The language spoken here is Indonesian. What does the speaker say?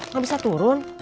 gak bisa turun